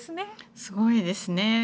すごいですね。